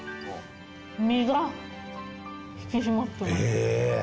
身が引き締まってます。